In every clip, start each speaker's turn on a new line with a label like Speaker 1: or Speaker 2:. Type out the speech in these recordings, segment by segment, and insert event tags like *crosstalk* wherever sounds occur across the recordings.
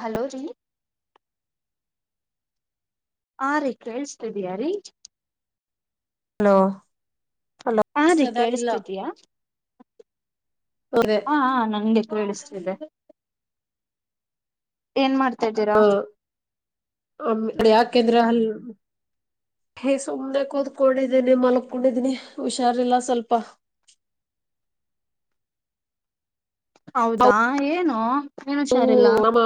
Speaker 1: Hello ರೀ. *inaudible* ಹಾ ರೀ ಕೇಳಸ್ತಿದಿಯಾ ರೀ. *inaudible*
Speaker 2: ಹಲೋ. *unintelligible* ಹಲೋ
Speaker 1: ಹಾ ರೀ
Speaker 2: ಸದಾ ಇಲ್ಲ
Speaker 1: ಕೇಳಿಸ್ತಿದೀಯಾ
Speaker 2: ಅದೇ
Speaker 1: ಹಾ ಹಾ ನಂಗೆ ಕೇಳಿಸ್ *inaudible* ಇದೆ. *unintelligible* ಏನ್ ಮಾಡ್ತಾ ಇದ್ದೀರಾ. *inaudible*
Speaker 2: ಒಮ್ಮೆ ಹೋಡೋಯಾಕ ಎದರಾ ನೀವು. *inaudible* ಏ ಸುಮ್ನೆನೆ ಕೂದ್ಕೊಂಡಿದ್ದೇನೆ ಮಲ್ಕೊಂಡಿದೀನಿ ಹುಷಾರಿಲ್ಲ ಸ್ವಲ್ಪ
Speaker 1: ಹೌದಾ ಏನು ಏನ್
Speaker 2: ಓ
Speaker 1: ಹುಷಾರಿಲ್ಲ
Speaker 2: ನಮ್ಮ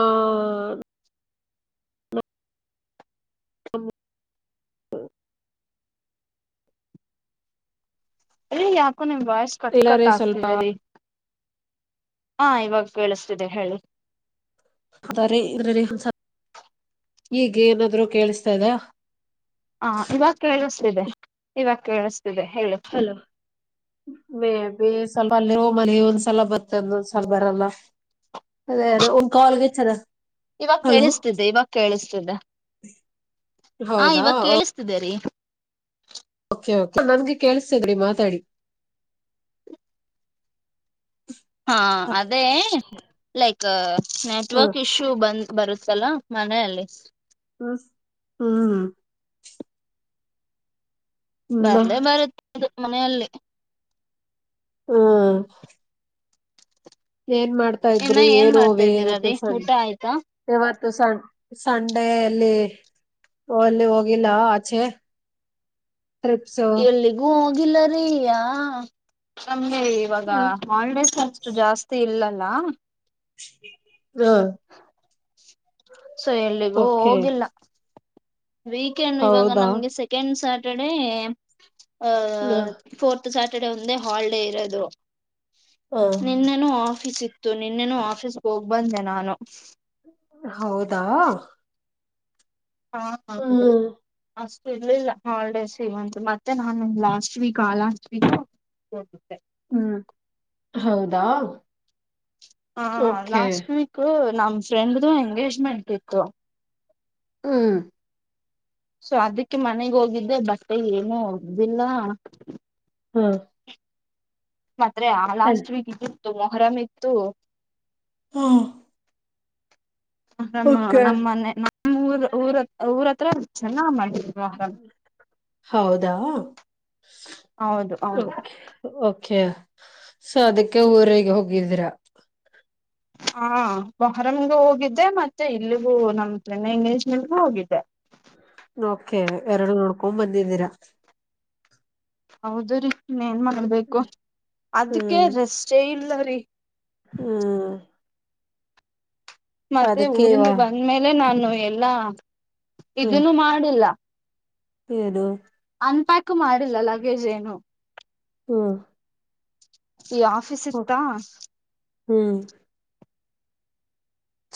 Speaker 2: ಹ್ಮ್
Speaker 1: ಅಯ್ಯೆ ಯಾಕೋ ನಿಮ್ಮ ವಾಯ್ಸ ಕಟ್
Speaker 2: ಇಲ್ಲಾರೆ
Speaker 1: ಕಟ್ ಆಗ್ತ
Speaker 2: ಸ್ವಲ್ಪ
Speaker 1: ಇದೆ ರೀ ಹಾ ಇವಾಗ ಕೇಳಿಸ್ತಿದೆ ಹೇಳಿ
Speaker 2: ಅದರಿ ಸ್ವಲ್ಪ ಈಗ ಏನಾದ್ರು ಕೇಳಿಸ್ತಾ ಇದೆ
Speaker 1: ಹಾ ಇವಾಗ ಕೇಳಿಸ್ತಿದೆ ಇವಾಗ ಕೇಳಿಸ್ತಿದೆ ಹೇಳು
Speaker 2: ಮೆ ಬಿ ಸ್ವಲ್ಪ ಮನೆ ಒಂದ್ಸಲ ಬರ್ತಂದೊಂದ್ಸಲ್ ಬರಲ್ಲ ಅದೇ ಅದೇ ಒಂದ್ ಕಾಲ್ಗೆ ಚದ
Speaker 1: ಇವಾಗ
Speaker 2: ಹಲೋ
Speaker 1: ಕೇಳಿಸ್ತಿದ್ದೆ ಇವಾಗ ಕೇಳಿಸ್ತಿದ್ದೆ ಹ
Speaker 2: ಹೌದಾ
Speaker 1: ಇವಾಗ ಕೇಳಿಸ್ತಿದ್ದೇರಿೀ
Speaker 2: ಓಕೆ ಓಕೆ ನನ್ಗೆ ಕೇಳಸತದ್ರಿ ಮಾತಾಡಿ
Speaker 1: ಹಾ ಅದೇ ಲೈಕ್
Speaker 2: ಹ್ಮ್
Speaker 1: ನೆಟ್ವರ್ಕ್ ಇಶ್ಯೂ ಬಂದ ಬರುತ್ತಲ್ ಮನೆಯಲ್ಲಿ
Speaker 2: ಹ್ಮ್ ಹೂ ಹ್ಮ್
Speaker 1: ಬರ್ಲೇ ಬರುತ್ತೆದು ಮನೆಯಲ್ಲಿ
Speaker 2: ಹ್ಮ ಏನ್ ಮಾಡ್ತಾ
Speaker 1: ಇನ್ನ
Speaker 2: ಇದ್ರಿ ಏನ್
Speaker 1: ಮಾಡ್ತಾ
Speaker 2: ವೆ
Speaker 1: ಇದ್ದೀರಾ
Speaker 2: ಇವತ್ತು
Speaker 1: ರೀ
Speaker 2: ಸಣ್ಣ
Speaker 1: ಊಟ ಆಯ್ತಾ
Speaker 2: ಇವತ್ತು ಸ ಸಂಡೆಯಲ್ಲಿ ಓ ಅಲ್ಲಿ ಹೋಗಿಲ್ಲ ಆಚೆ ಟ್ರಿಪ್ಸ್
Speaker 1: ಎಲ್ಲಿಗೂ ಹೋಗಿಲ್ಲಾರೀ ಯಾ ನಮಗೆ ಇವಾಗ ಹಾಲಿಡೇಸ್ ಖರ್ಚು ಜಾಸ್ತಿ ಇಲ್ಲಲ್ಲ
Speaker 2: ಹ
Speaker 1: ಸೊ ಎಲ್ಲಿಗೂ
Speaker 2: ಓಕೆ
Speaker 1: ಹೋಗಿಲ್ಲ ವೀಕೆಂಡ್ ಇವಾಗ
Speaker 2: ಹೌದಾ
Speaker 1: ನಮ್ಗೆ ಸೆಕೆಂಡ್ ಸ್ಯಾಟರ್ಡೆ ಎ ಹ ಫೋರ್ತ್ ಸ್ಯಾಟರ್ಡೆ ಒಂದೇ ಹಾಲಿಡೇ ಇರೋದು
Speaker 2: ಹ
Speaker 1: ನಿನ್ನೆನು ಆಫೀಸ್ ಇತ್ತು ನಿನ್ನೆನು ಆಫೀಸ್ಗೆ ಹೋಗ್ ಬಂದೆ ನಾನು
Speaker 2: ಹೌದಾ
Speaker 1: ಹಾ ಹೌದು
Speaker 2: ಹ್ಮ್
Speaker 1: ಅಷ್ಟು ಇರ್ಲಿಲ್ಲ ಹಾಲಿಡೇಸ್ ಇವಂತ ಮತ್ತೆ ನಾನು ಲಾಸ್ಟ್ ವೀಕ್ ಆ ಲಾಸ್ಟ್ ವೀಕ್ ಹೌ ಸ
Speaker 2: ಹ್ಮ್ ಹೌದಾ
Speaker 1: ಹ
Speaker 2: ಓಕೆ
Speaker 1: ಲಾಸ್ಟ್ ವೀಕ್ ನಮ್ ಫ್ರೆಂಡ್ದು ಎಂಗೇಜ್ಮೆಂಟ್ ಇತ್ತು
Speaker 2: ಹ್ಮ್
Speaker 1: ಸೊ ಅದಕ್ಕೆ ಮನೆಗ್ ಹೋಗಿದ್ದೆ ಬಟ್ಟೆ ಏನು ಹ್ದಿಲ್ಲ
Speaker 2: ಹ್ಮ
Speaker 1: ಮಾತ್ರೆ ಆ ಲಾಸ್ಟ್ ವೀಕ್ ಇತ್ತು ಮೊಹರಂ ಇತ್ತು
Speaker 2: ಹಾಂ
Speaker 1: ಆರಾಮ
Speaker 2: ಓಕೆ
Speaker 1: ನಮ್ಮ ಮನೆ ನಮ್ಮ್ ಊರ ಊರತ್ರ ಊರತ್ರ ಚೆನ್ನ ಮಾಡಿದ್ರು ಆರಾಮ
Speaker 2: ಹೌದಾ
Speaker 1: ಹೌದು ಹೌದು
Speaker 2: ಓಕೆ ಓಕೆ ಸೊ ಅದಕ್ಕೆ ಊರಿಗೆ ಹೋಗಿದ್ದೀರಾ
Speaker 1: ಹಾ ಮೊಹರಂಮಗೂ ಹೋಗಿದ್ದೆ ಮತ್ತೆ ಇಲ್ಲಿಗೂ ನಮ್ ಚೆನ್ನೆ ಇಂಗ್ಲೀಷ್ ಮಡ ಹೋಗಿದ್ದೆ
Speaker 2: ಓಕೆ ಎರಡು ನೋಡ್ಕೊಂಡ್ ಬಂದಿದ್ದೀರಾ
Speaker 1: ಹೌದ ರೀ ಇನ್ನ್ ಮಾಡ್ಬೇಕು ಅದಕ್ಕೆ
Speaker 2: ಹ್ಮ್
Speaker 1: ರೆಸ್ಟೇ ಇಲ್ಲ ರೀ
Speaker 2: ಹ್ಮ್
Speaker 1: ಮತ್ತೆ
Speaker 2: ಅದಕ್ಕೆ
Speaker 1: ಊರಿಂದ
Speaker 2: ಇವಾ
Speaker 1: ಬಂದ್ಮೇಲೆ ನಾನು ಎಲ್ಲಾ ಇದನ್ನು ಮಾಡಿಲ್ಲ
Speaker 2: ಹದು
Speaker 1: ಅನ್ಪ್ಯಾಕ್ ಮಾಡಿಲ್ಲ ಲಗೇಜ್ ಏನು
Speaker 2: ಹ್ಮ
Speaker 1: ಈ ಆಫೀಸ್ ಇತ್ತಾ
Speaker 2: ಹ್ಮ್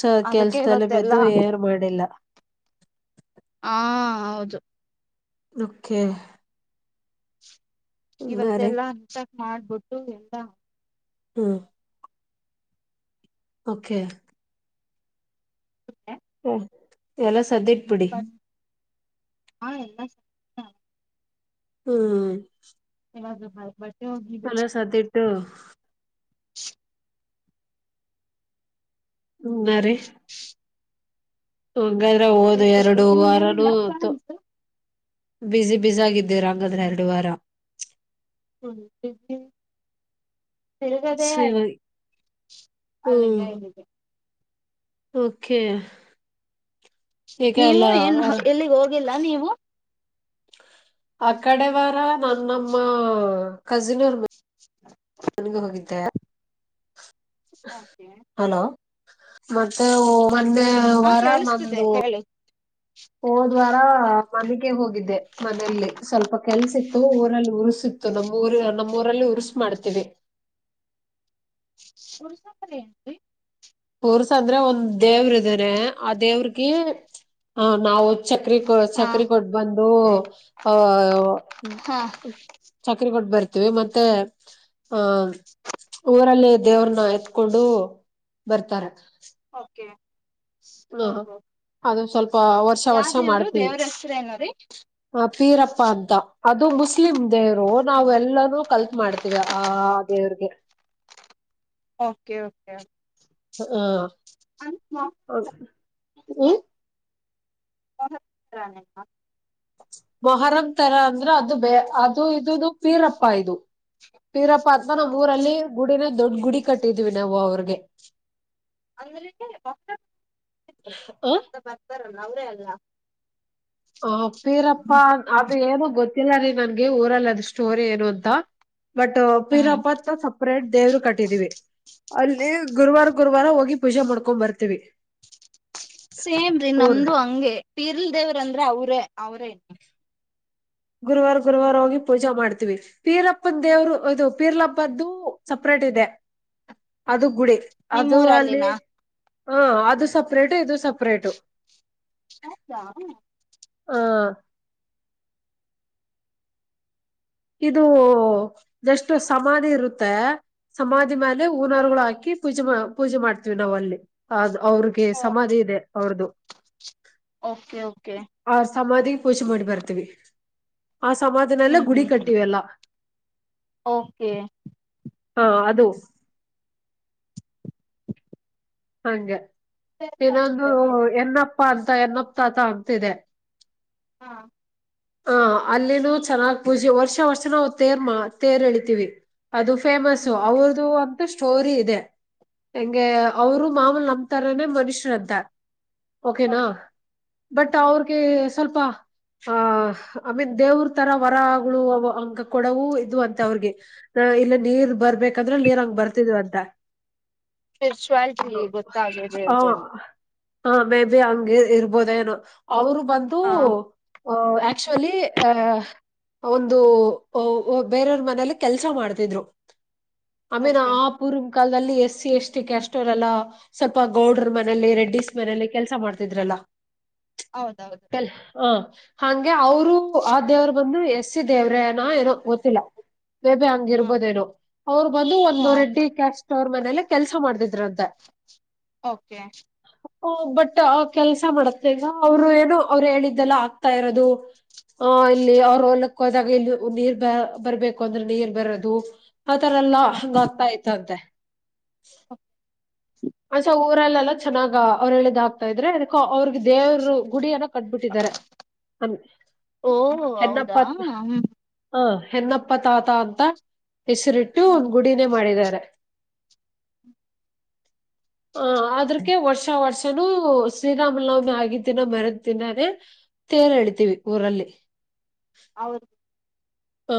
Speaker 2: ಸ
Speaker 1: ಅದಕ್ಕೆ
Speaker 2: ಕೆಲ್ಸದಲ್ಲಿ ಬಿದ್ದು
Speaker 1: ಇವತ್ತೆಲ್ಲಾ
Speaker 2: ಏನು ಮಾಡಿಲ್ಲ
Speaker 1: ಹಾ ಹೌದು
Speaker 2: ಓಕೆ ರೀ
Speaker 1: ಇವತ್ತೆಲ್ಲಾ ಅನ್ಸಕ್ ಮಾಡ್ಬಿಟ್ಟು ಎಲ್ಲಾ
Speaker 2: ಹ್ಮ್ ಓಕೆ ಹ್ಮ ಎಲ್ಲ ಸದ್ದ ಇಟ್ಬಿಟ್ಟ
Speaker 1: ಹಾ ಎಲ್ಲ
Speaker 2: ಹ್ಮ್
Speaker 1: *unintelligible* ಬಟ್ಟೆ ಒಗೀತಿ
Speaker 2: ಕಲ ಸಾಧ್ಯ ಇಟ್ಟು
Speaker 1: *unintelligible*
Speaker 2: ನೋ ಮ್ಯಾರಿ ಹಂಗಾದ್ರೆ ಹೋದು
Speaker 1: ಬೆಳ್ಬೇಕು
Speaker 2: ಎರಡು ವಾರನುೂ
Speaker 1: ನಿಮ್ಗೇನಿಲ್ಲ ಪ್ಲಾನ್ಸ್
Speaker 2: ಬಿಸಿಿ ಬಿಸಿ ಆಗಿದ್ದೇವ ಹಾಗಂಗಾದ್ರೆ ಎರಡು ವಾರ
Speaker 1: ಹ್ಮ್ ತಿರುಗದೇ
Speaker 2: ಸೊ ಇವಾಗ
Speaker 1: ಆಯ್ತು
Speaker 2: ಹ್ಮ್
Speaker 1: ಅಲ್ಲಿಗೆ ಇಲ್ಲಿಗೆ
Speaker 2: ಓಕೆ ಈಗ ಅಲ್ಲ
Speaker 1: ನೀವು ಏನ್ ಎಲ್ಲಿಗೆ ಹೋಗಿಲ್ಲ ನೀವು
Speaker 2: ಆ ಕಡೆ ವಾರ ನನ್ಮ್ಮ ಕಜಿನ್ ಅವರ್ ಮೇ
Speaker 1: ಹ್ಮ
Speaker 2: ನಗ ಹೋಗಿದ್ದೆ ಹಲೋ ಮತ್ತೆ ಮತ್ತೆ
Speaker 1: ಹಾ
Speaker 2: ವಾರ
Speaker 1: ಕೇಳಿಸ್ತಿದೆ
Speaker 2: ನಂದು
Speaker 1: ಹೇಳಿ
Speaker 2: ಹೋದ್ವಾರ ಮನೆಗೆ ಹೋಗಿದ್ದೆ ಮನೆಯಲ್ಲಿ ಸ್ವಲ್ಪ ಕೆಲ್ಸ ಇತ್ತು ಊರಲ್ಲಿ ಊರು ಉಸಿತ್ತು ನಮ್ಮ್ಊರ ನಮ್ಮ ಊರಲ್ಲಿ ಉರ್ರಿಸ್ ಮಾಡ್ತೀವಿ
Speaker 1: *unintelligible*
Speaker 2: ಉರುಸು ಅಂದ್ರೆ ಒಂದ್ ದೇವ್ರ ಇದ್ದಾರೆ ಆ ದೇವ್ರಗ ಆ ನಾವವು ಚಕ್ರ ಕೊ
Speaker 1: ಹ
Speaker 2: ಚಕ್ರ ಕೊಟ್ಟ ಬಂದು ಅ
Speaker 1: ಹಾ
Speaker 2: ಚಕ್ರ ಕೊಟ್ಟ ಬರ್ತೀವಿ ಮತ್ತೆ ಆಹ ಊರಲ್ಲಿ ದೇವ್ರನ್ನ ಎತ್ಕೊಂಡು ಬರ್ತಾರೆ
Speaker 1: ಓಕೆ ಮಾಮ್ ಹಓ
Speaker 2: ಹ
Speaker 1: ಹೋ
Speaker 2: ಅದು ಸ್ವಲ್ಪ ವರ್ಷ
Speaker 1: ಯಾವ
Speaker 2: ವರ್ಷ
Speaker 1: ದೇವರು
Speaker 2: ಮಾಡ್ತೀವಿ
Speaker 1: ದೇವ್ರ ಹೆಸರು ಏನೋ್ರೀ
Speaker 2: ಆ ಪೀರಪ್ಪ ಅಂತ ಅದು ಮುಸ್ಲಿಮ ದೇವರು ನಾವ ಎಲ್ಲಾನೂ ಕಲ್ತ್ ಮಾಡ್ತೀವಿ ಆ ದೇವ್ರಿಗೆ
Speaker 1: ಓಕೆ ಓಕೆ
Speaker 2: ಹ
Speaker 1: ಅಂದ್ರೆ
Speaker 2: ಹಾ ಹ
Speaker 1: *unintelligible*
Speaker 2: ಮೊಹರಂ ತರ ಅಂದ್ರ ಅದು ಬ ಅದು ಇದು ಪೀರಪ್ಪ ಇದು ಫರಪ್ಪ ನಮ್ಮ್ ಊರಲ್ಲಿ ಗುಡಿನ ದೊಡ್ಡ ಗುಡಿ ಕಟ್ಟಿದೀವಿ ನಾವು ಅವ್ರಿಗೆ
Speaker 1: ಅಂದ ಅಂತ *unintelligible* ಬರ್ತಾರಲ್ಲ ಅವರೇ ಅಲ್ಲ
Speaker 2: ಹ ಪೀರಪ್ಪ ಅದು ಏನು ಗೊತ್ತಿಲ್ಲ ರೀ ನನ್ಗೆ ಊರಲ್ಲ ಅದ ಸ್ಟೋರಿ ಏನು ಅಂತ ಬಟ್
Speaker 1: ಹ್ಮ್
Speaker 2: ಪೀರಪ್ಪತ್ತ ಸಪ್ರೇಟ್ ದೇವರು ಕಟ್ಟಿದೀವಿ ಅಲ್ಲಿ ಗುರುವಾರ ಗುರುವಾರ ಹೋಗಿ ಪೂಜೆ ಮಾಡ್ಕೊಂಡ್ ಬರ್ತೀವಿ
Speaker 1: ಸೇಮ್ರೀ
Speaker 2: ಊರ್
Speaker 1: ನಮ್ದು ಹಂಗೆ ಪಿರ್ಲ್ ದೇವ್ರ ಅಂದ್ರೆ ಅವ್ರೇ ಅವ್ರೇ
Speaker 2: ಗುರುವಾರ ಗುರುವಾರ ಹೋಗಿ ಪೂಜಾ ಮಾಡ್ತಿೀವಿ ಪೀರಪ್ಪನ್ ದೇವರು ಇದು ಪೀರ್ಲಪ್ಪದ್ದು ಸಪ್ರೇಟ್ ಇದೆ ಅದು ಗುಡಿ ಅದು ಅಲ್ಲಿ
Speaker 1: ನಿಮ್ಮೂರಲ್ಲಿನಾ
Speaker 2: ಹ ಅದು ಸಪ್ರೇಟ ಇದು ಸಪರೇಟು
Speaker 1: ಹೌದಾ
Speaker 2: ಹ ಇದು ಎಷ್ಟು ಸಮಾಧಿ ಇರುತ್ತೆ ಸಮಾಧಿ ಮೇಲೆ ಊನಾರ್ಗಳು ಹಾಕಿ ಪೂಜೆ ಪೂಜೆ ಮಾಡ್ತೀವಿ ನಾವ್ ಅಲ್ಲಿ ಅವ್ರ ಸಮಾಧಿ ಇದೆ ಅವ್ರದು
Speaker 1: ಓಕೆ ಓಕೆ
Speaker 2: ಆ ಸಮಾಧಿಗೆ ಪೂಜೆ ಮಾಡಿ ಬರ್ತೀವಿ ಆ ಸಮಾಧಿಿನೆಲ್ಲ
Speaker 1: ಹ್ಮ್
Speaker 2: ಗುಡಿ
Speaker 1: ಹ್ಮ್
Speaker 2: ಕಟ್ಟ ಲ್ಲ
Speaker 1: ಓಕೆ
Speaker 2: ಹಾ ಅದು ಹಂಗೆ ಇನ್ನೊಂದು ಎನ್ನಪ್ಪ ಅಂತ ಎನ್ನಪ್ಪ ತಾತ ಅಂತಿದೆ
Speaker 1: ಹಾ
Speaker 2: ಹ ಅಲ್ಲಿನ ಚೆನ್ನಾಗ್ ಪೂಜೆ ವರ್ಷ ವರ್ಷ ನಾವು ತೇರ್ ಮಾ ತೇರ್ ಎಳಿತೀವಿ ಅದು ಫೇಮಸ್ ಅವ್ರದು ಅಂತ ಸ್ಟೋರಿ ಇದೆ ಹೆಂಗೆ ಅವರು ಮಾಮೂಲ್ ನಮ್ಮ ತಾರನನೆ ಮನುಷ್ಯರುಂತ ಓಕೆನಾ ಬಟ್ ಅವ್ರಿಗೆ ಸ್ವಲ್ಪ ಆ ಐ ಮೀನ್ ದೇವ್ರ ತರ ವರಗಳು ಅಂಕ ಕೊಡವೂ ಇದು ಅಂತೆ ಅವ್ರಿಗೆ ಇಲ್ಲ ನೀರ್ ಬರ್ಬೇಕಂದ್ರೆ ನೀರ್ ಹಂಗ್ ಬರ್ತಿದವ ಅಂತ
Speaker 1: ಸ್ಪಿರಿಚುವಾಲಿಟಿ ಗೊತ್ತಾಗಿದೆ
Speaker 2: ಹ
Speaker 1: ಅದೇನು
Speaker 2: ಹ ಮೇ ಬಿ ಹಂಗಗೆ ಇರ್ಬೋದೇನು ಅವರು ಬಂದು
Speaker 1: ಹಾ
Speaker 2: ಆಕ್ಚುಲಿ ಅ ಒಂದು ಬೇರೆಯವ್ರ ಮನಲಿ ಕೆಲ್ಸ ಮಾಡ್ತಿದ್ರು ಆಮೇನ
Speaker 1: ಓಕೆ
Speaker 2: ಆ ಪೂರ್ವ ಕಾಲದಲ್ಲಿ ಎಸ್ಸ ಎಷ್ಟಿ ಕಾಸ್ಟ್ ರಲ್ಲ ಸ್ವಲ್ಪ ಗೌಡ್ರ ಮನೇಲಿ ರೆಡ್ಡಿಸಸ್ ಮನೇಲಿ ಕೆಲ್ಸ ಮಾಡ್ತಿದ್ರಲ್ಲ
Speaker 1: ಹೌದೌದು
Speaker 2: ಹ ಹ ಹಾಗೆ ಅವರು ಆ ದೇವರು ಬಂದು ಎಸ್ಸಿ ದೇವ್ರೇನ ಏನೋ ಗೊತ್ತಿಲ್ಲ ಬೇಬ ಹಂಗ
Speaker 1: ಹ
Speaker 2: ಇರ್ಬೋದೇೋ ಅವ್ರು ಬಂದು
Speaker 1: ಹ
Speaker 2: ಒಂದ ರೆಡ್ಡಿ ಕಸ್ ಕಾಸ್ಟ್ ಅವರ ಮನೇಲ್ಲ ಕೆಲ್ಸ ಮಾಡ್ದಿದ್ರಂತ
Speaker 1: ಓಕೆ
Speaker 2: ಹ ಬಟ್ ಕೆಲ್ಸ ಮಾಡತ್ತೆ ಈಗ ಅವ್ರು ಏನೋ ಅವ್ರು ಹೇಳಿದ್ದೆಲ್ಲ ಆಗ್ತಾ ಇರೋದು ಹ ಇಲ್ಲಿ ಅವ್ರ ಹೊಲಕ್ಕ ಹೋದಾಗ ಇಲ್ಲಿ ನೀರ್ ಬ ಬರ್ಬೇಕು ಅಂದ್ರೆ ನೀರ್ ಬರದು ಆತರ ಎಲ್ಲ
Speaker 1: ಹ
Speaker 2: ಆ್ತಾ ಇತ್ತು ಅಂತೆ *unintelligible* ಊರಲ್ಲೆಲ್ಲ ಚೆನ್ನಾಗ ಅವ್ರು ಹೇಳಿದು ಆಗ್ತಾ ಇದ್ರೆ ಅದಕ್ಕ ಅವ್ರ ದೇವರು ಗುಡಿ ಏನೋ ಕಟ್ಬಿಟ್ಟಿದ್ದಾರೆ.
Speaker 1: ಓಹೋ ಹೌದ ಹ್ಮ್
Speaker 2: ಹಾ ಹೆನ್ನಪ್ಪ ತಾತ ಅಂತ ಹೆಸರಿಟ್ಟು ಒಂದ್
Speaker 1: ಹ್ಮ್
Speaker 2: ಗುಡಿನೇ ಮಾಡಿದ್ದಾರೆ. ಹಾ ಅದ್ರಕ್ಕೆ ವರ್ಷ ವರ್ಷನುೂ ಶ್ರೀರಾಮನವಮಿ ಆಗಿದ್ ದಿನ ಮರೆದ ದಿನನೇ. ತರು ಎಳಿತೀವಿ ಊರಲ್ಲಿ.
Speaker 1: ಹೌದು
Speaker 2: ಹಾ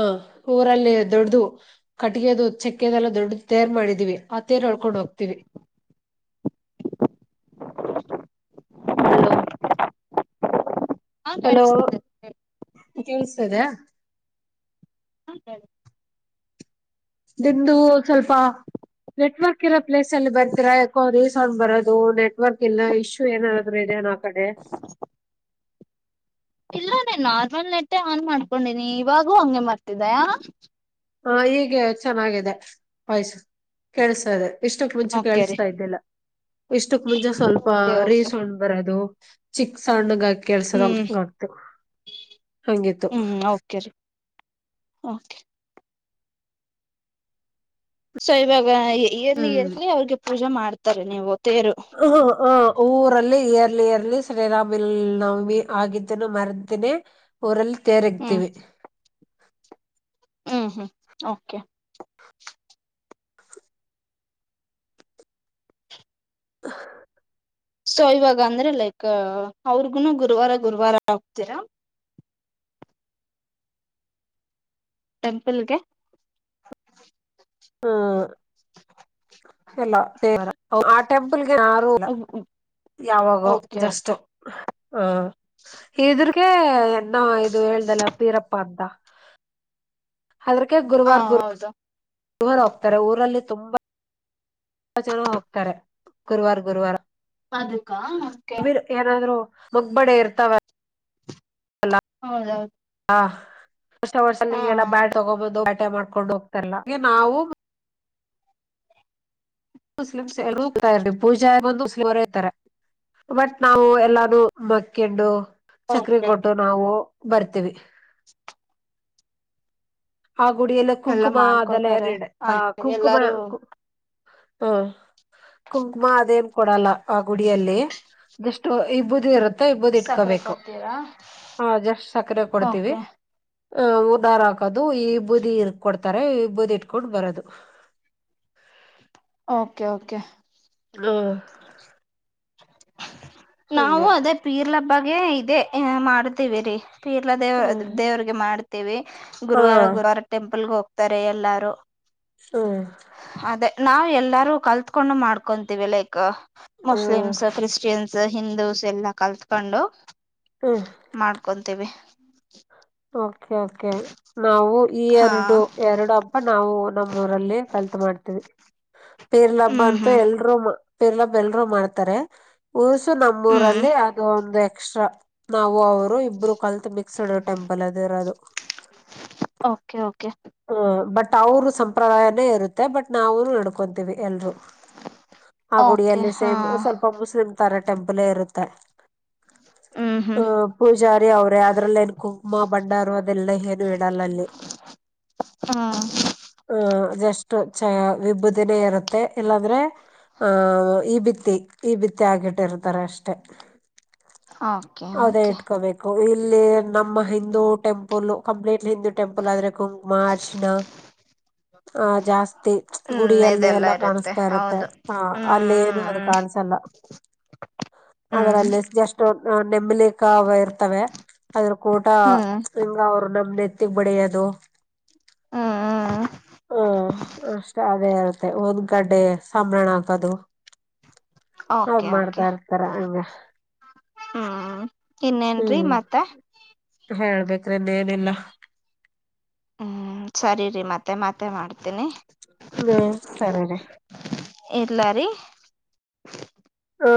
Speaker 2: ಊರಲ್ಲಿ ದೊಡ್ದದು. ಕಟ್ಟಿಗೆದು ಚಕ್ಕೆದೆಲ್ಲ ದೊಡ್ಡದು ತೇರ್ ಮಾಡಿದೀವಿ ಆ ತೇರ್ ಎಳ್ಕೊಂಡ್ ಹೋಗ್ತೀವಿ. ಹಲೋ
Speaker 1: ಹ
Speaker 2: ಹಲೋ
Speaker 1: ಕೇಳಿಸ್ತಿದೆ
Speaker 2: ಕೇಳಿಸ್ತಾದ.
Speaker 1: ಹಾ ಕೇಳಿಸ್ತಾದ.
Speaker 2: ನಿಮ್ದು ಸ್ವಲ್ಪ. ನೆಟ್ವರ್ಕ್ ಇರೋ ಪ್ಲೇಸ್ಲ್ಲಿ ಬಂದ್ರ ಎಕೊ ರೀಸೌಂಡ್ ಬರೋದು ನೆಟ್ವರ್ಕ್ ಇಲ್ಲ ಇಶ್ಯೂ ಏನಾದ್ರ ಇದೇನಾ. ಕಡೆ.
Speaker 1: *inaudible* ಇಲ್ಲಾನೇ ನಾರ್ಮಲ್ ನೆಟ್ಟೆ ಆನ್ ಮಾಡ್ಕೊಂಡಿನಿ ಇವಾಗೂ ಹಂಗೆ *unintelligible*
Speaker 2: ಹಾ ಹೀಗೆ ಚೆನ್ನಾಗಿದೆ ವಾಯ್ಸ್ ಕೇಳಿಸ್ತಾಯಿದೆ. ಇಷ್ಟಕ್ ಮುಂಚೆ
Speaker 1: ಓಕೆ ರೀ
Speaker 2: ಕೇಳಸ್ತಾ ಇದ್ದಿಲ್ಲ ಇಷ್ಟಕ್ ಮುಂಚೆ ಸ್ವಲ್ಪ
Speaker 1: ಓಕೆ ಓಕೆ
Speaker 2: ರಿಸೌಂಡ್. ಬರದು ಚಿಕ್ಕ ಸಣ್ಣಗ ಹಾಕಿ.
Speaker 1: ಹ್ಮ್
Speaker 2: ಕೆಲ್ಸದಂಗ ಹಂಗಿತ್ತು.
Speaker 1: ಹ್ಮ್ ರೀ ಓಕೆ. ಸೊ ಇವಾಗ ಇರ್ಲಿ
Speaker 2: ಹ್ಮ್
Speaker 1: ಇರ್ಲಿ ಅವ್ರಿಗೆ ಪೂಜೆ ಮಾಡ್ತಾರೆ ತೇರು.
Speaker 2: ಹಾ ಊರಲ್ಲಿ ಇಯರ್ ಇಯರ್ಲಿ ಶ್ರೀರಾಮ ನವಾಮಿ ಆಗಿದಿನ ಮಾಡ್ತೀನಿ. ಊರಲ್ಲಿ ತೇರು
Speaker 1: ಹ್ಮ್
Speaker 2: ಇಡ್ತೀವಿ.
Speaker 1: ಹ್ಮ್ ಹ್ಮ್ ಓಕೆ.
Speaker 2: *inaudible*
Speaker 1: ಸೊ ಇವಾಗ ಅಂದ್ರೆ ಲೈಕ್ ಅವ್ರಗುನು ಗುರುವಾರ ಗುರುವಾರ ಹೋಗ್ತೀರಾ. ಟೆಂಪಲ್ಗೆ.
Speaker 2: ಹ್ಮ ಇಲ್ಲ ತೆರಿಗೆ ಅ ಟೆಂಪಲ್ಗೆ ಯಾರು ಹೋಗಿಲ್ಲ. ಯಾವಾಗೋ
Speaker 1: ಓಕೆ
Speaker 2: ಜಸ್ಟ್.
Speaker 1: ಓಕೆ
Speaker 2: ಹಾ ಇದ್ರಗ ಏನ್ನ ಇದು ಹೇಳ್ದಲ್ಲ ಪೀರಪ್ಪ ಅಂತ. ಅದ್ರಕ್ಕೆ
Speaker 1: ಹ
Speaker 2: ಗುರುವಾರ
Speaker 1: ಹೌದು
Speaker 2: ಗುರುವಾರ ಹೋಗ್ತಾರೆ ಊರಲ್ಲಿ ತುಂಬಾ. ತುಂಬಾ ಜನ ಹೋಗ್ತಾರೆ ಗುರುವಾರ ಗುರುವಾರ.
Speaker 1: ಅದಕ್ಕ ಓಕೆ.
Speaker 2: ಯಾರದ್ರು ಮುಗ್ಬಡೆ ಇರ್ತವೇ.
Speaker 1: ಹೌದೌದು.
Speaker 2: ಹಾ ವರ್ಷ ವರ್ಷ
Speaker 1: ಹಾ
Speaker 2: ಅಲ್ಲಿಗೆ
Speaker 1: ಹಾ
Speaker 2: ಬಾಟ್ ತಗೊಬಂದು ಬ್ಯಾಟ್ ಮಾಡ್ಕೊಂಡು ಹೋಗ್ತಾರಲ್ಲ ಹಂಗೆ ನಾವು. *unintelligible* ಪೂಜಾರಿ ಬಂದು ಪುರಾ ಇರ್ತಾರೆ ಬಟ್ ನಾವು ಎಲ್ಲಾನು ಮಕ್ಕಂಡು ಚಕ್ರಿ
Speaker 1: ಓಕೆ
Speaker 2: ಕೊಟ್ಟು ನಾವು ಬರ್ತೀವಿ. ಆ ಗುಡಿಯೆಲ್ಲ
Speaker 1: ಎಲ್ಲ
Speaker 2: ಕುಂಕುಮ ಅದೆಲ್ಲ
Speaker 1: ಮಾಡ್ಕೋತಾರೆ
Speaker 2: ಎರಡೆ
Speaker 1: ಅ
Speaker 2: ಆ ಕುಂಕುಮ.
Speaker 1: ಎಲ್ಲಾರು
Speaker 2: ಹಾ ಕುಂಕುಮ ಅದೇನ್ ಕೊಡಲ್ಲ ಆ ಗುಡಿಯಲ್ಲಿ. ಜಸ್ಟ್ ಇಬ್ಬುದಿ ಇರುತ್ತೆ. ಇಬ್ಬದಿ
Speaker 1: ಸಕ್ಕರೆ
Speaker 2: ಇಟ್ಕೋಬೇಕು
Speaker 1: ಕೊಡ್ತೀರಾ
Speaker 2: ಹಾ ಜಸ್ಟ್ ಆಕಡೆ ಕೊಡ್ತವಿ.
Speaker 1: ಓಕೆ
Speaker 2: ಹು ಹೂನಾರ ಹಾಕೋದು ಈಬೂದಿ ಕೊಡ್ತಾರೆ ಈಬೂದಿ ಇಟ್ಕೊಂಡು ಬರೋದು.
Speaker 1: ಓಕೆ ಓಕೆ
Speaker 2: ಹ್
Speaker 1: ನಾವು
Speaker 2: ಹಂಗೆ
Speaker 1: ಅದೇ ವೀರ್ಲ ಹಬ್ಬಗೆ ಇದೆ ಮಾಡ್ತೀವಿ ರೀ ಪೀರ್ಲಾ ದೇವ
Speaker 2: ಹ್ಮ್
Speaker 1: ದೇವ್ರಗೆ ಮಾಡ್ತೀವಿ
Speaker 2: ಹಾ
Speaker 1: ಗುರುವಾರ ಗುರುವಾರ ಟೆಂಪಲ್ಗೆ ಹೋಗ್ತಾರೆ ಎಲ್ಲಾರು
Speaker 2: ಹ್
Speaker 1: ಅದೇ ನಾವು ಎಲ್ಲಾರೂ ಕಲ್ತ ಕೋಂಡು ಮಾಡ್ಕೊಂತೀವಿ ಲೈಕ್
Speaker 2: ಹ್ಮ್
Speaker 1: ಮುಸ್ಲಿಮ್ಸ್, ಕ್ರಿಶ್ಚಿಯನ್ಸ್, ಹಿಂದೂಸ್, ಎಲ್ಲಾ ಕಲ್ತ್ಕೊಂಡು.
Speaker 2: ಹುಂ
Speaker 1: ಮಾಡ್ಕೊಂತಿವಿ
Speaker 2: ಓಕೆ ಓಕೆ ನಾವು ಈ
Speaker 1: ಹಾ
Speaker 2: ಎರಡು ಎರಡು ಹಬ್ಬ ನಾವು ನಮ್ಮೂಊರಲ್ಲಿ ಕಲ್ತ್ ಮಾಡ್ತೀವಿ ಪೀರ್ಲ ಹಬ್ಬಾ
Speaker 1: ಹ್ಮ್
Speaker 2: ಅಂತೂ
Speaker 1: ಹ್ಮ್
Speaker 2: ಎಲ್ರು ಪಿರ್ಲ ಎಲ್ರೂ ಮಾಡ್ತಾರೆ ಊರ್ಸು
Speaker 1: ಹ್ಮ್
Speaker 2: ನಮ್ಮೂರಲ್ಲಿ ಅದು ಒಂದು ಎಕ್ಸ್ ಟ್ರಾ ನಾವು ಅವರು ಇಬ್ರು ಕಲ್ತ್ ಮಿಕ್ಸಡ್ ಟೆಂಪಲ್ ಅದ ಇರೋದು
Speaker 1: ಓಕೆ ಓಕೆ
Speaker 2: ಹ ಬಟ್ ಅವರು ಸಂಪ್ರದಾಯನೇ ಇರುತ್ತೆ ಬಟ್ ನಾವನು ನಡಕೊ ಎಂದು ಎಲ್ರೂ ಆ
Speaker 1: ಓಕೆ
Speaker 2: ಗುಡಿಯಲ್ಲಿ
Speaker 1: ಹಾ
Speaker 2: ಸೇಮ್ ಸ್ವಲ್ಪ ಮುಸ್ಲಿಂ ತರಾ ಟೆಂಪಲೆ ಇರುತ್ತೆ
Speaker 1: *unintelligible*
Speaker 2: ಆ ಪೂಜಾರಿ ಅವ್ರೇ ಅದ್ರಲ್ಲ ಏನ್ ಕುಂಕುಮ ಬಂಡಾರು ಅದೆಲ್ಲಾ ಏನು ಇಡಲ್ಲಾ ಅಲ್ಲಿ
Speaker 1: ಹಾ
Speaker 2: ಹ ಅದೆಷ್ಟು ಚ ವಿಭುದಿನೇ ಇರುತ್ತೆ ಇಲ್ಲಾಂದ್ರೆ ಆ ಈಬಿತ್ತಿ ಈಬಿತ್ತಿ ಹಾಕಿ ಇಟ್ಟಿರುತ್ತಾರ ಅಷ್ಟೆ
Speaker 1: ಓಕೆ
Speaker 2: ಅದೇ
Speaker 1: ಓಕೆ
Speaker 2: ಇಟ್ಕೋಬೇಕ *unintelligible* ಇಲ್ಲಿ ನಮ್ಮ Hindu temple complete Hindu temple ಆದ್ರೆ ಕುಂಕುಮಾ, ಅರೀಸಿನಾ ಆಹ ಜಾಸ್ತಿ
Speaker 1: ಹ್ಮ್
Speaker 2: ಗುಡಿಯಲ್ಲಿ
Speaker 1: ಇದೆಲ್ಲ
Speaker 2: ಎಲ್ಲಾ ಕಾಣಸ್ತಾ ಇರುತ್ತೆ
Speaker 1: ಹೌದು
Speaker 2: ಹಾ ಅಲ್ಲೆ
Speaker 1: ಹ್ಮ್
Speaker 2: ಏನು ಅದು
Speaker 1: ಹ್ಮ್
Speaker 2: ಕಾಣಸಲ್ಲಾ
Speaker 1: ಹ್ಮ್
Speaker 2: ಅದರಲ್ಲಿ ಎಷ್ಟು ನೆಂಬಲಿ ಕಾವ ಇರ್ತಾವೆ. ಅದ್ರ ಕೋಟಾ
Speaker 1: ಹ್ಮ್ ಹ್ಮ್
Speaker 2: ಹಿಂಗ ಅವರು ನಮ್ದ್ ನೆತ್ತಿಗ್ ಬಡಿಯೋದು
Speaker 1: ಹುಂ ಹುಂ
Speaker 2: ಹ ಅಷ್ಟೇ ಅದೇ ಇರುತ್ತೆ ಊದ್ದ ಕಡ್ಡಿ ಸಂಬ್ರಾಣಿ ಆಕೋದು ಅವು
Speaker 1: ಓಕೆ
Speaker 2: ಮಾಡ್ತಾ ಇರ್ತಾರ ಹಂಗ
Speaker 1: ಹುಂ ಇನ್ನೇನ್ರಿ
Speaker 2: ಹ್ಮ್
Speaker 1: ಮತ್ತ
Speaker 2: ಹೇಳ್ಬೇಕ್ರಿ ಇನೆನಿಲ್ಲಾ
Speaker 1: ಹ್ಮ್ ಸರಿ ರಿ ಮತ್ತೆ ಮತ್ತೆ ಮಾಡ್ತೀನಿ
Speaker 2: ಹುಂ ಸರಿ ರಿ
Speaker 1: ಇಡ್ಲಾ ರಿ
Speaker 2: ರೀ.